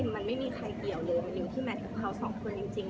มันไม่มีใครเกี่ยวเลยมันอยู่ที่แมทกับเขาสองคนจริง